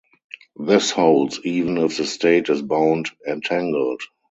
This holds even if the state is bound entangled.